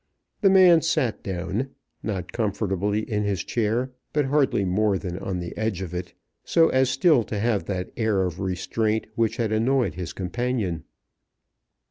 The man sat down, not comfortably in his chair, but hardly more than on the edge of it, so as still to have that air of restraint which had annoyed his companion.